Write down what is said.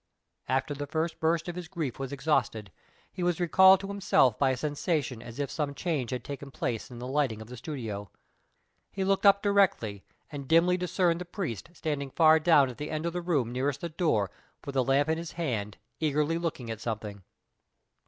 After the first burst of his grief was exhausted, he was recalled to himself by a sensation as if some change had taken place in the lighting of the studio. He looked up directly, and dimly discerned the priest standing far down at the end of the room nearest the door, with the lamp in his hand, eagerly looking at something.